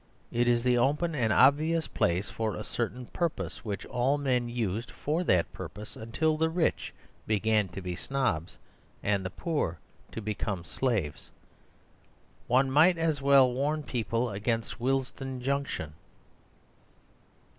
It is the open and obvious place for a certain purpose, which all men used for that purpose until the rich began to be snobs and the poor to become slaves. One might as well warn people against Willesden Junction.